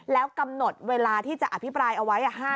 แล้วกำหนดเวลาที่จะอภิปรายเอาไว้